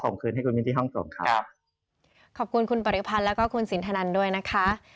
คืนให้คุณมิ้นที่ห้องส่งครับขอบคุณคุณปริพันธ์แล้วก็คุณสินทนันด้วยนะคะ